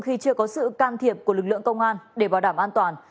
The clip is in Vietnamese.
khi chưa có sự can thiệp của lực lượng công an để bảo đảm an toàn